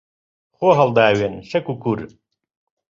خۆ هەڵداوێن شەک و کوور